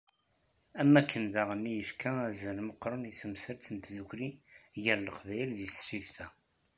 Am wakken diɣ i yefka azal meqqren i temsalt n tdukli gar leqbayel deg tesfift-a.